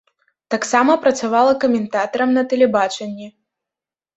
Таксама працавала каментатарам на тэлебачанні.